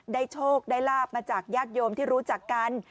ได้โชคได้ลาบมาจากยากยมที่รู้จักกัน